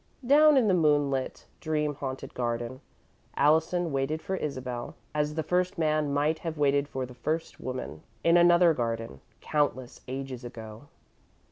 Down in the moon lit, dream haunted garden, Allison waited for Isabel, as the First Man might have waited for the First Woman, in another garden, countless ages ago.